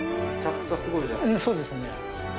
そうですね。